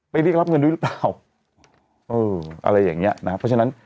เรียกรับเงินด้วยหรือเปล่าเอออะไรอย่างเงี้ยนะฮะเพราะฉะนั้น